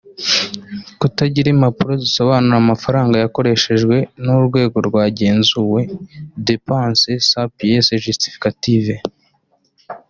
Kutagira impapuro zisobanura amafaranga yakoreshejwe n‘ urwego rwagenzuwe (Dépenses sans pièces justificatives);